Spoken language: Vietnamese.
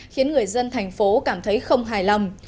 khiến người dân thành phố cảm thấy không hài lòng